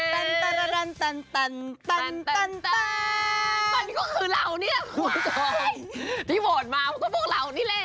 มันก็คือเรานี่แหละพี่โหดมาก็พวกเรานี่แหละ